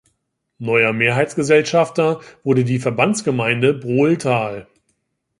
Neuer Mehrheitsgesellschafter wurde die Verbandsgemeinde Brohltal.